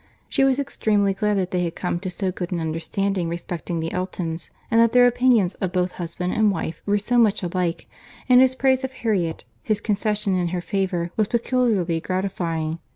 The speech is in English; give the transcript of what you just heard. —She was extremely glad that they had come to so good an understanding respecting the Eltons, and that their opinions of both husband and wife were so much alike; and his praise of Harriet, his concession in her favour, was peculiarly gratifying.